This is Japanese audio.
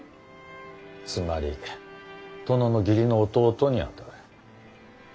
つまり殿の義理の弟にあたる。